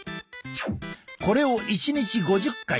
これを１日５０回。